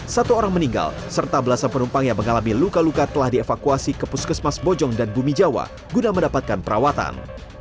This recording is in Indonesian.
satu orang meninggal serta belasan penumpang yang mengalami luka luka telah dievakuasi ke puskesmas bojong dan bumi jawa guna mendapatkan perawatan